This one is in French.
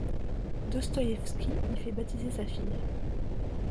Dostoïevski y fait baptiser sa fille.